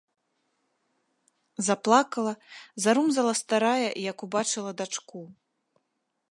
Заплакала, зарумзала старая, як убачыла дачку.